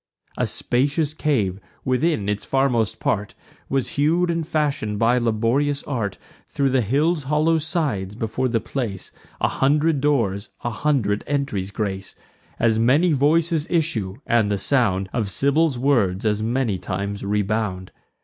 A spacious cave, within its farmost part, Was hew'd and fashion'd by laborious art Thro' the hill's hollow sides: before the place, A hundred doors a hundred entries grace; As many voices issue, and the sound Of Sybil's words as many times rebound.